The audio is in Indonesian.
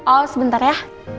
oh sebentar ya